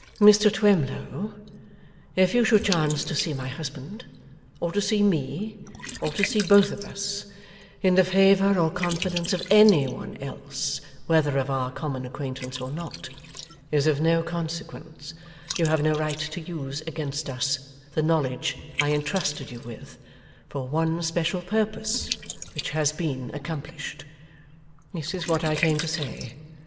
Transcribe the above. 'Mr Twemlow, if you should chance to see my husband, or to see me, or to see both of us, in the favour or confidence of any one else whether of our common acquaintance or not, is of no consequence you have no right to use against us the knowledge I intrusted you with, for one special purpose which has been accomplished. This is what I came to say.